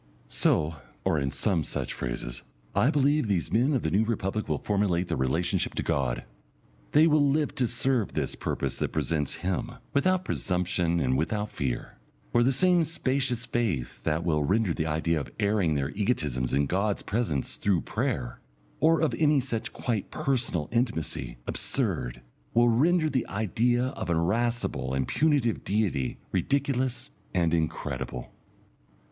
So, or in some such phrases, I believe, these men of the New Republic will formulate their relationship to God. They will live to serve this purpose that presents Him, without presumption and without fear. For the same spacious faith that will render the idea of airing their egotisms in God's presence through prayer, or of any such quite personal intimacy, absurd, will render the idea of an irascible and punitive Deity ridiculous and incredible....